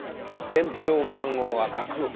伝票番号は架空。